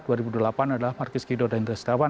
dua ribu delapan adalah marcus guido dan dries dawan